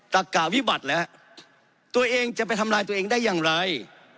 ตะก่าวิบัติแล้วตัวเองจะไปทำลายตัวเองได้อย่างไร